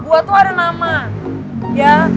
buah tuh ada nama ya